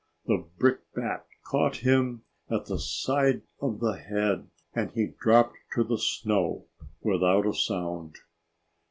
The brickbat caught him at the side of the head and he dropped to the snow without a sound.